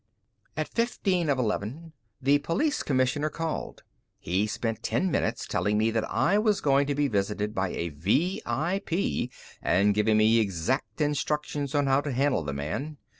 At fifteen of eleven, the Police Commissioner called. He spent ten minutes telling me that I was going to be visited by a VIP and giving me exact instructions on how to handle the man.